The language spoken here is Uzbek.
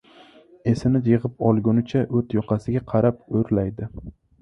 Esini yig‘ib olgunicha o‘t yoqasiga qarab o‘rlaydi.